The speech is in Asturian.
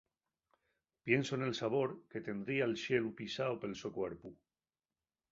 Pienso nel sabor que tendría'l xelu pisao pel so cuerpu.